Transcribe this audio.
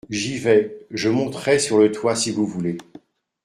J’y vais. je monterai sur le toit si vous voulez.